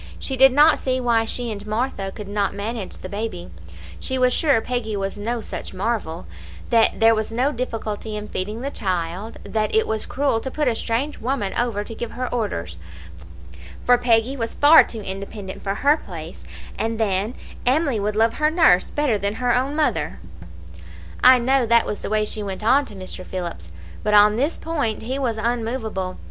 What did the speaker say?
She did not see why she and Martha could not manage the baby; she was sure Peggy was no such marvel; that there was no difficulty in feeding the child; that it was cruel to put a strange woman over to give her orders, for Peggy was far too independent for her place; and then Emily would love her nurse better than her own mother. I know that was the way she went on to Mr. Phillips, but on this point he was unmovable.